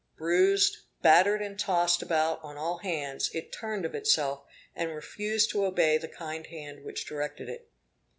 Bruised, battered and tossed about on all hands, it turned of itself, and refused to obey the kind hand which directed it.